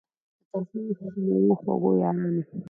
د ترخو میو خوږو یارانو